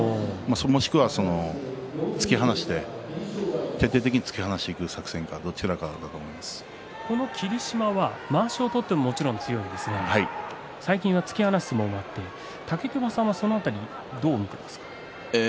もしくは、突き放して徹底的に突き放していく作戦かこの霧島はまわしを取ってももちろん強いですが最近は突き放す相撲もあって武隈さんはその辺りどう見ていますか。